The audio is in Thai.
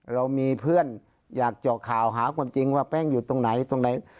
เรามีเพื่อนอยากเจาะข่าวหาความจริงว่าแป้งอยู่ตรงไหนตรงไหน